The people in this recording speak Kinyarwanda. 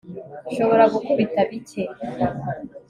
nshobora gukubita bike